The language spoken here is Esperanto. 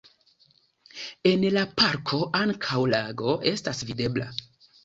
En la parko ankaŭ lago estas videbla.